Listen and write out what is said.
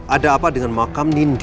ada apa dengan makam nindi